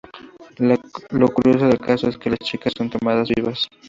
Lo curioso del caso es que las chicas son quemadas vivas...